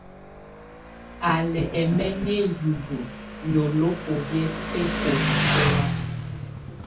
Á lɛ́ ɛmɛŋɛ hiwǝ́, yolobo yɛ́ bɛ́kɔlakɔla.